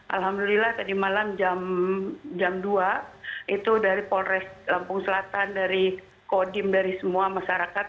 alhamdulillah tadi malam jam dua itu dari polres lampung selatan dari kodim dari semua masyarakat